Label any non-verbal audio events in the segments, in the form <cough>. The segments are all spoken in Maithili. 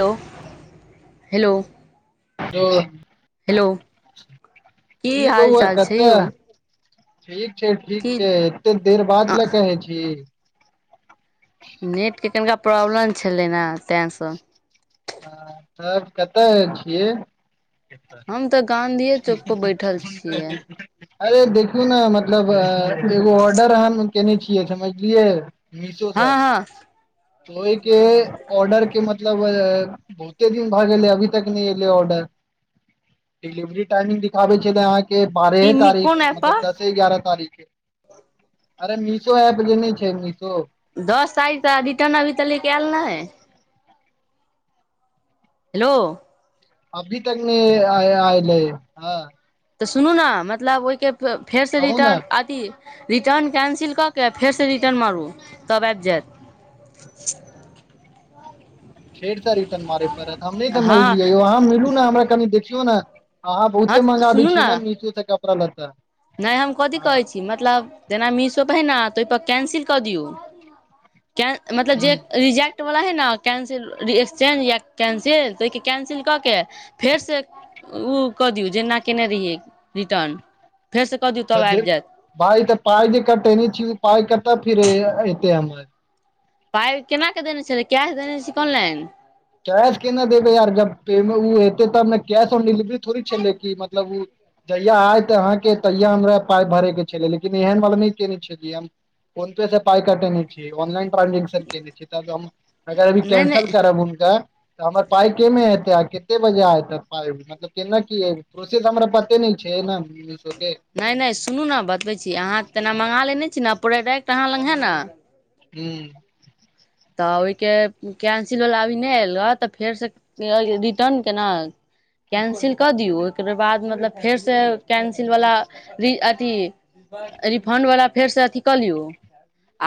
Hello, hello. हेलो की कि हाल बौआ चाल छै कतऽ यौ ठीक छै, की ठीक छै, एते देर बाद लए कहै छी नेट के कनिका प्रॉब्लम छलै ने तैसँ और कतय छियै हम तऽ गांधी चौक पर बैठल छियै अरे देखियौ ने मतलब एगो ऑर्डर अह केने छियै समझलियै मीशो सँ हँ हँ एक ऑर्डर के मतलब बहुते दिन भए गेलै अभी तक नहि एलै ऑर्डर डिलिवरी टाइमिंग दिखाबै छै क अहाँके बारहे की तारीख कोन ऐप मतलब दस पर से एग्यारहे तारीख अरे मिषो ऐप जे नहि छै मिषो दस तारीख तऽ रिटर्न अभि तलिक आयल नै हेलो अभी तक नहि आय आयलै हंँ तऽ सुनू नऽ मतलब ओहिके फेरसँ कहू ने रिटर्न अथी रिटर्न कैंसिल कऽ के फेरसँ रिटर्न मारू तब आबि जायत <inaudible> फेरसँ रिटर्न मारै पड़त। हम नहि तऽ हँ समझलियै यौ अहाँ मिलू नऽ हमरा कनि देखियौ नऽ अहाँ हँ बहुते मँगाबै सुनू छी ने मिषोसँ कपड़ा लत्ता नहि हम कथी हँ कहै छी मतलब जेना मिषोपर हइ न तऽ ओहिपर कैंसिल कऽ दियौ केन मतलब जे ह रिजेक्ट क्ट वला हइ न कैंसिल रिएक्सचेंज या कैंसिल तऽ ओहिके कैंसिल कऽ के फेरसँ उ कऽ दियौ जेना कैने रहियै रिटर्न फेरसँ कऽ दियौ तब आबि जायत पाइ तऽ पाइ जे कटैने छी पाइ कतऽ फिर एतै हमर पाइ केना कऽ देने छेलि कैश देने छी कि ऑनलाइन कैश केना देबै यार जब पेमेंट उ एतै तब ने कैश ऑन डिलीवरी थोड़ी छेलै कि मतलब उ जहिया आयतऽ अहाँके तहिया हमरा पाइ भरेके छलै लेकिन एहन वाला नहि उम्मीद केने छलियै हम फोनपे सँ पाइ कटने छै, ऑनलाइन ट्रान्जैक्शन केने छै। तऽ अभि अगर नहि कैंसल नहि करैबू हम तऽ हमर पाइ केना एतै आ कते बजे एतै पाइ मतलब केना की हेतै ओहिसे तऽ हमरा पते नहि छै एना कुछ होतै <unintelligible> नहि नहि सुनू न बतबै छी अहाँ तेना मँगा लेने छी ने प्रोडक्ट अहाँ लंग है नऽ हूंम्म तऽ ओहिके कैंसिल वला अभी नहि एलै रहऽ तऽ फेरसँ रिटर्न केना कैंसिल कऽ दियौ ओकर बाद मतलब फेरसँ कैंसिलवला री अथि रिफण्डवला फेरसँ अथी कऽ लियौ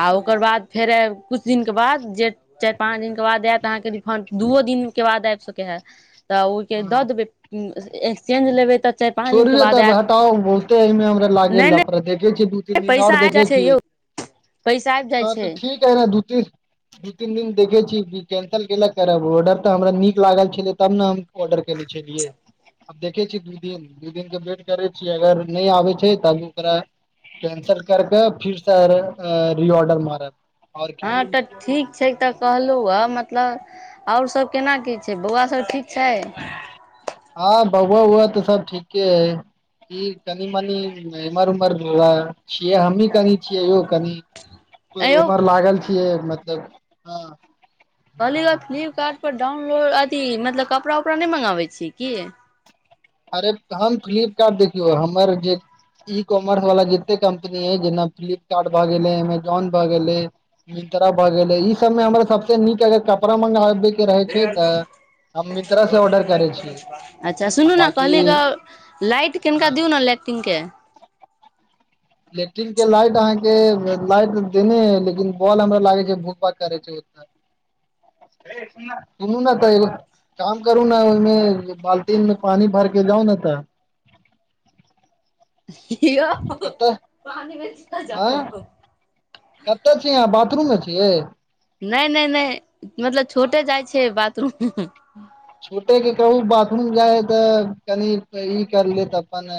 आ ओकर बाद फेर किछु दिन ओकर बाद चारि पाँच दिनक बाद अहाँके रिफण्ड आयत रिफण्ड दूओ दिनके बाद आबि सकै है तऽ ओहिके दऽ देबै एक्सचेन्ज लेबै तऽ चारि पाँच छोड़िए दिनके देबै बाद तऽ आयत हटाउ बहुते एहिमे हमरा लागइ नहि लफड़ा नहि देखइ छियै दू एक दिन और पैसा आबि देखइ जाइ छै छियै यौ पैसा आबि जाइ हँ तऽ छै ठीक है ने दू तीन दू तीन दिन देखैत छी कि कैंसल कैलऽ करब। ऑर्डर तऽ हमरा नीक लागल छलै तब ने हम ऑर्डर केने छेलियै आब देखै छियै दिन दू दिन के वेट करै छी अगर नहि आबै छै तऽ आब ओकरा कैंसल करके फिर सँ रीऑर्डर मारब आओर की हँ तऽ ठीक छै तऽ कहलु अ मतलब आओर सभ केना की छै बौआ सभ सब ठीक छै हँ बौआ उआ तऽ सब ठीके अय ई कनि मनि एम्हर ओम्हर <unintelligible> छियै हमहीं कनि छियै यौ कनि आँय यौ एम्हर लागल छियै मतलब हँ कहलिग की हँ फ्लिपकार्ट पर डाउनलोड अथी मतलब कपड़ा उपड़ा नहि मँगाबै छियै की अरे हम फ्लिपकार्ट देखियौ हमर जे ई ई कॉमर्सवला जतेक कम्पनी अछि जेना फ्लिपकार्ट भऽ गेलै एमेजोन भऽ गेलै मिन्त्रा भऽ गेलै ई सभमे हमरा सभसे नीक अगर कपड़ा मँग बैक होइ रहै छै तऽ हम मिन्त्रासँ ऑर्डर करै छियै। अच्छासुनू ने कहलिऐ गऽ लाइट कनेक हँ दियौ ने लैट्रिंग के लैट्रिंग के लाइट अहाँकेँ लाइट देने अय लेकिन बौल हमरा लगै छै जे भुक भाक करै छै। सुन न सुनू ने तऽ एगो काम करू ने ओहिमे बाल्टीमे पानी भरि कऽ जाउ ने त याऊ कतऽ आ कतय छीय अहाँ बाथरूम मे छियै नै नै नै मतलब छोटे जाइ छैय बाथरूम। छोटे के कहू बाथरूम जाइ हइ तऽ कनि ई कर लेत अपन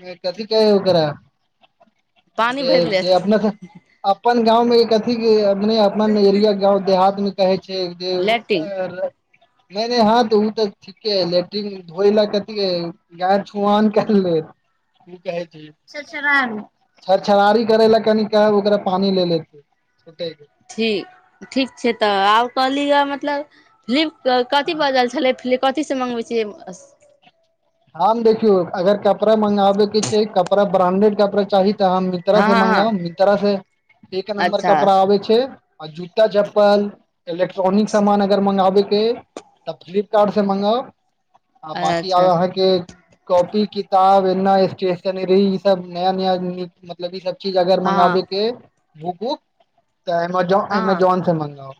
कथी कहय हय ओकरा पानि अरे भरि लेत जे अपना सभ अपन गाव मे कथी अपने अपन एरिया गाव देहात मे कहै छैय लैट्रिन जेने हाथ ओ तऽ ठीक लेट्रिन धोइ लऽ कथे गा छुआन कर ले। कि कहै छै छछरी छछरारी करे ल कनि ओकरा पानी ले लेत। छोटे। ठीक ठीक छैय तऽ आब कहली मतलब फिलिप कथी हँ बजल छलै फलिप कथीसँ मँगबे छियै। हम देखियौ अगर क कपड़ा मगाबे के छैय कपड़ा ब्रांडेड कपड़ा चाही तऽ अहाँ मित्रा हँ से हँ मगाउ हँ मित्रा से एक नम्बर अच्छा कपड़ा आ छैय आ जूता चप्पल इलेक्ट्रोनिक सामान अगर मगाबेके तब फ्लिपकार्ट से मगाउ आ बकी आब अच्छा अहाँकेँ के कॉपी किताब एना स्टेशनरी ई सभ नया नया मतलब इ सभ चीज अगर हँ मगाबेके भूक वूक तऽ अमेजोन हँ अमेजोन से मगाओ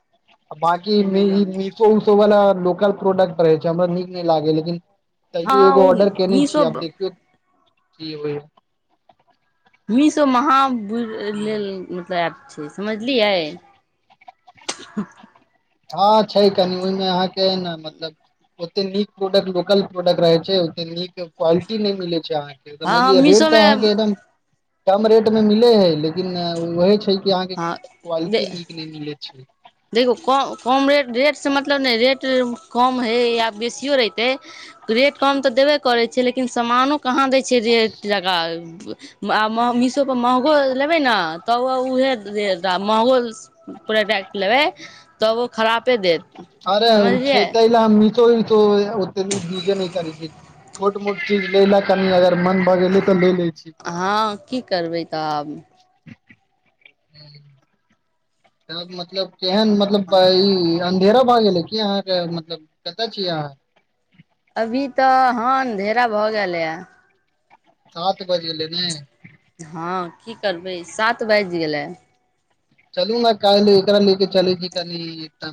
बाकी एमेजॉन वला लोकल प्रोडक्ट रहै छैय हमरा नीक नहि लागे लेकिन हँ तैयो एगो ओ ऑर्डर केने मीशो छियै आब देखियौ क हो। मिशो मह हूं, लेलऽ मतलब आयप छैय समझलियै। ह छैय कनि ओहिमे अहाँकेँ ने मतलब ओते नीक प्रोडक्ट लोकल प्रोडक्ट रहै छैय ओते नीक क्वालिटी नहि मिले छैय हँ हँ अहाँकेँ रेट तऽ मीशोमे अहाँकेँ एकदम कम रेट मे मिले हय लेकिन लेकिन ओहे छैय कि अहाँकेँ हँ दे क्वालिटी नीक नहि मिलैत छैय। देखियौ कम कम रेट रेटसँ मतलब नहि रेट कम हइ आ बेसियो रहितै रेट कम तऽ देबे करै छैय लेकिन सामानो कहा दै छैय रेट जका। आ मह मीशोपर महगो लेबै ने तब उएह दे महगो प्रोडक्ट लेबै तब ओ खरापपे देत। अरे समझलियै छैतै ल हम मीसो उसो ओते युजे नहि करे छीये। छोट मोट चीज लेलऽ कनि अगर मन भऽ गेलै तऽ लै छी। हा कि करबै तऽ आब। तब मतलब केहन मतलब इ ढे भए गेले की अहाँकेँ मतलब कतय छियै अहाँ। अभी तऽ हनधेरा भ गेल हे सात बभेज लेने ह कि करबै सात बाजि गेलै। चलुन काल्ल एकरा लेके चल छी कनी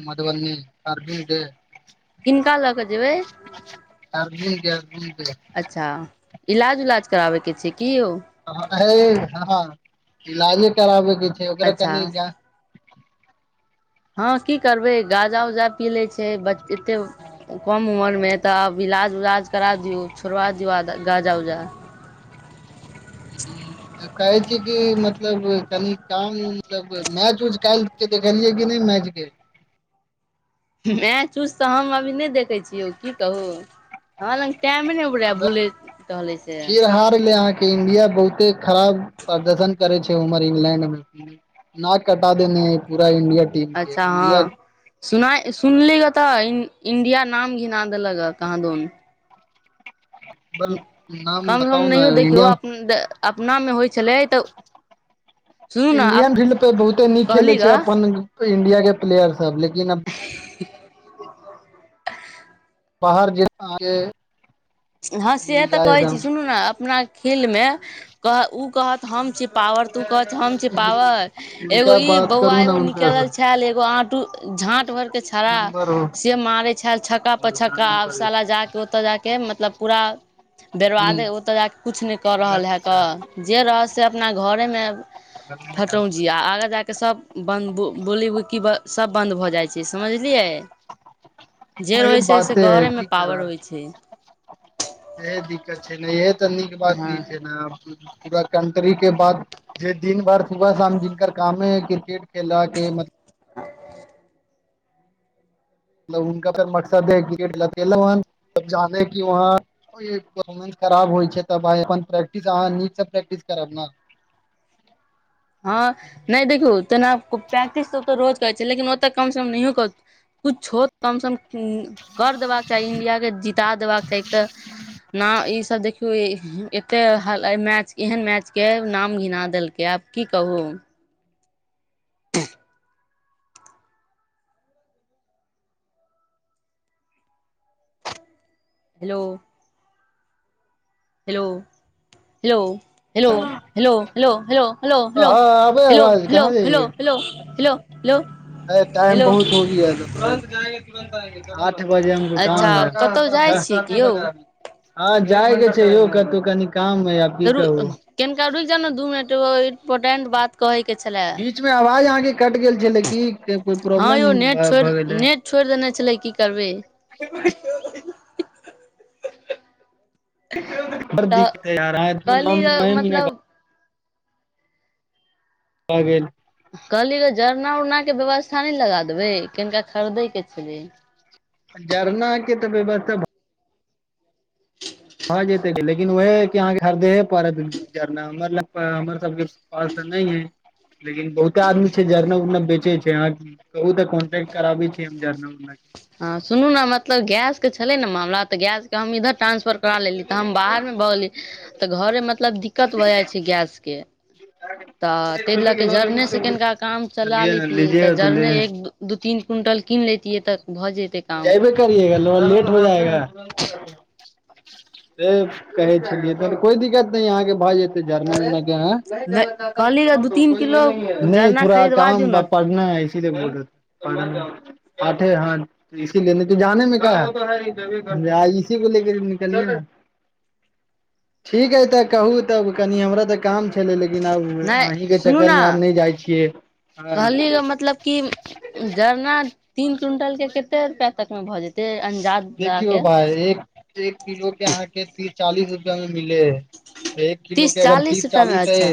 मधुबनी अर्जुन के। किनका ले कऽ जेबै अर्जुन के अर्जुन के अच्छा। इलाज उलाज कराबैके छै कि यौ। हँ इलाजे कराबे के छैय ओकरा अच्छा कनि ह की करबै गाजा उजा पी ले छैय एते कम उमर मे तब इलाज उलाज करा दिऔ छोड़बा दिऔ आ गाँजा उजा। <unintelligible> कहै छी कि मतलब कनि काम मतलब मैच उच कल देखलियै कि नहि मैचके मैच उूच त हम अभी नहि देखे छियै की कहु हमरा लग टाम ने पूरा बुलै हले से। फिर हार ले आके के इंडिया बहुते खराब प्रदर्शन करे छैय उधर इंग्लैंड मे नक कटा देने पूरा इंडिया टीम के अच्छा ह इंडिया सुना सुनली ग तऽ इंडिया नाम घिना देलक कहाँ दो बल नाम कम समम बताउ ने नहियो देखियौ इंडिया अपना मे होइत छलै तऽ सुनू ने इण्डियन फील्ड परर बहुते नीक कहली खेलैत छै ग अपन इंडियाक के प्लेयर सभ लेकिनब <unintelligible> बाहर जे। हँ से मिल त जाय कहैत छी एकदम सुनू ने अपना खेलमे कह ओ कहत हम छी पावर तू कहत हम छी पावर एगो हुनका ई बात बौआ करू ने एगो हुनका से निकलल छै एगो आँटू झाट भर के छड़ा नम्बर हो से मारे छै छक्का प छक्का आब साला जाक तऽ ओतऽ जाके मतलब पूरा ह बरबादे ओतऽ जाके किछु नहि कऽ रहल है क जे रहे से अपना घरे मे अ। फटौजी आ आगा जाके सभ बन्द बोली बुकी सभ बन्द भऽ जाइ छै समझलियै जे वही रहे छै से घरे मे पावर होइ छै। ह दिक्कत छै ने यह तऽ नीक बात न हँ छै ने पूरा कन्ट्री के बाद जे दिन भर सुबह शाम जिनक कामे है क्रिकेट खेलके मतलब आ। मतलब उनका फेर मकसद है क्रिके लेलन जाने ह कि वहा परफर्मस खराब होइ छै त प्रैक्टिस अहाँ नीक से प्रैक्टिस करब ने हँ नहि देखू तेना प्रैक्टिस तऽ रोज करै छै लेकिन ओतऽ कम से कम नहियो किुछ हो कमसम कर देबाक चाही इंडियाके जीित देबाक चाही तऽ ना ई सभ देखि एतेक हाल मैच एहन मैचके नाम घिना देलकै आब कि कहू त। Hello. Hello, hello. Hello hello hello hello हँ हेलो आबे हेलो आवाज कहाँ हेलो जाइए हेलो हेलो टाइम हेलो बहुत हो गया ह तो <unintelligible> आठ बजे हमो अच्छा कतहु जाइ छियै कि कामात यौ ह जाय के छै यौ कतू कनि काम मे त रु कनका रुकि जाउ ने दू मिनट ओ इम्पोर्टेट बात कहैके छलय बीच मे आवाज अहाँकेँ कट गेल छलै की कोई प्रॉब्लम भऽ गेलै। छोइड़ देने छलै की करबै तऽ कहली ग <unintelligible> मतलब भऽ गेल कहलियी ग जरना उरनाके व्यवस्था नई लगा देबै कनिका खरीदैके छलै जरना के तऽ व्यवस्था भ <inaudible> भऽ जेतै लेकिन उएहे अहाँके खरदेहे पड़त जरना हमर सबके आर तऽ नै अई लेकिन बहुते आदमी छै जरना उरना बेचे छै आहां कहु तऽ कोन्टे्ट कराबी छि हम जरना उरना के हँ सुनू ने मतलब गैस के छलै ने मामला तऽ गैसके हम इधर ट्रांसफर करा लेली तऽ हम बाहर मे भ गेली तऽ घरे मतलब दिक्कत भऽ जाइ छै गैस के तऽ त लैकऽ लऽ क जड़ने से कनिका काम चला चलिए न लेैतियै तऽ लीजिएगा तो ले जड़ने एक दू तीन क्वुंटल कीन लेतिये तऽ भऽ जतै जइबे करियएगा लो लेट हो जाएगा से कहे छलियै त कोई दिक्कत नहि अहाँके भ जेते जरना नहि कहली ग दू तीन किलो <unintelligible> नहि जरना थोड़ा खरीदबा दियौ काम ने <unintelligible> नहि एहिसी त बोत आठे ह <unintelligible> इसी लेने त जााने में क है इसी को लेके निकलिय ने ठीक है तऽ कहू तब कनि हमरा ते काम छले लेकिन लेकिन आब अहीं नहि के सुनू चक्कर ने मे हमब नहि जाइ छियै कहली ग मतलब किजरना तीन क्विंटल के कते रुपआ तक मे भऽ जेतै अंदाज लगा देखियो के भााय एक एक किलो के अहाँके तीस चालीस रुपआ मे मिले है एक किलो के अगर तीस रुपआ मे चालीस है अच्छा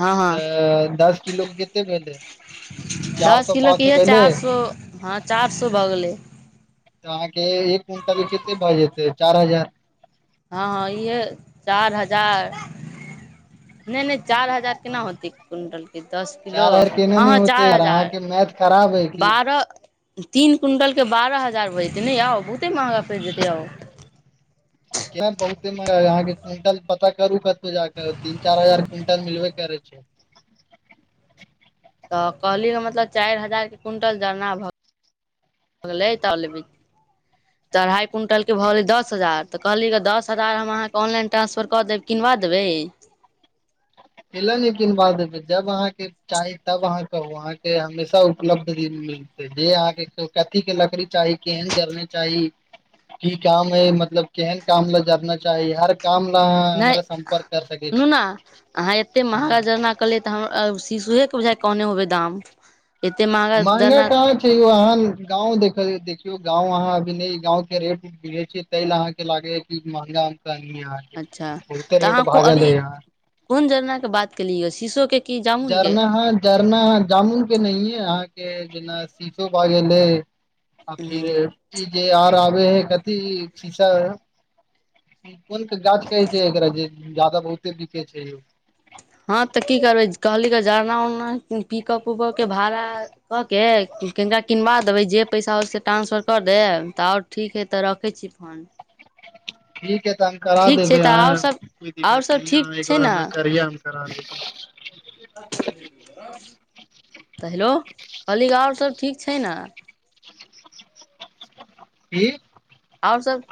हँ हँ दस किलो के कते भेलै चार दश सौ पाँच किलोके सौ यए भेलै चारि सए तऽ हँ चारि सए भऽ गेलै तऽ अहाँके एक क्विंटल कते भऽ जेतै चारि हजार हँ हँ इहे चार हजार नहि नहि चार हजार केना हँ होतै क्विंटलके दस किलो चारि हजार केने हँ नहि हँ होते चारि यार हजार अहाँके मैथ खराब है की बारह तीन क्विंटलके बारह हजार भऽ जेतै ने आउ बहुते महगा पड़ि जेतै यौ बहुते मा अहाँके क्विंटल पता करू कतहु जााके तीन चार हजार क्विंटल मिलबे करै छै तऽ कहली ह मतलब चारि हजार के क्विंटल जरना भऽ गेल <unintelligible> तालब तऽ अढ़ाइ क्विण्टलके भऽ गेलै दस हजार तऽ कहली ह दस हजार हम अहाँके ऑनलाइनट्रासफरऽ देब किनबा देबै कय ले नया किनबा देबैजब अहाँके चाही तब अहाँ कहू अहाँके हमेशा उपलब्धिल जे अहाँके कथी के लकड़ी चाही केहन जरने चाही की काम है मतलब केहन काम ल जारना चाही हर काम न नहि हमरा सम्पर्क कर सकै सुनू छी ने अहाँ एतेक महँगा हँ जड़ना कहलियै तऽ हम शीशोएके बुझाइ कने होबै दाम एतेक महगा महंगा जरना कहाँ छै यौ अहाँ गाँंव देखियौ गांव अहाँ अभी गांव के रेट ता अहाँ के लागे कि महंगा मे अच्छा कह बहुते तऽ रेट अहाँ को भागल अभी हे य कोन जरना के बात केलीयो शीशोक के जरना ह जरना जामुन के नहिए अहा के जेना शीशो भए गेले आ फिर ई जे आर आबे है कथी शीशा कोन गाछ कहै छै एकरा जे जादा बहुते बिकै छै। ह तऽ कि करबै कहली क जड़ना उरना पिकप उकप के भाड़ा कऽ के कनकरा किनबा देबै जे पैसा हो से ट्रांसफर करऽ देब तऽ आओर। ठीक छै तऽ रखै छी फोन ठीक है तऽ हम करा ठीक छै देबै तऽ आओर अहाँ सब कोइ आओर दिक्कत सब ने है ठीक अह एक छै बार ने हमरा करिय कर तऽ हेलो कहली आर सभ ठीक छै ने कि आओर सभ